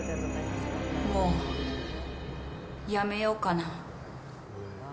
もうやめようかな。